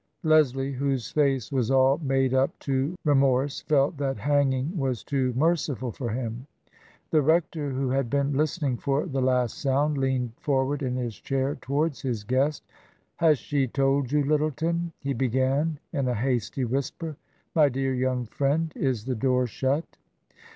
Leslie, whose face was all made up to remorse, felt that hanging was too merciful for him. The rector, who had been listening for the last sound, leaned forward in his chair towards his guest. " Has she told you, Lyttleton ?" he began, in a hasty whisper. " My dear young friend, is the door shut